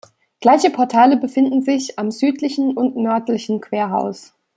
Gleiche Portale befinden sich auch am südlichen und nördlichen Querhaus.